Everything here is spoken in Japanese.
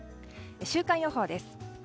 週間予報です。